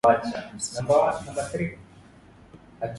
Msichana ameinama